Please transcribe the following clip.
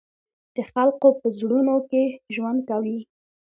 د خلقو پۀ زړونو کښې ژوند کوي،